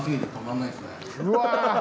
うわ！